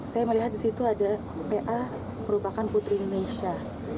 saya melihat di situ ada pa merupakan putri indonesia